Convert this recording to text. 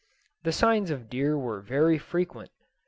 The signs of deer were very frequent.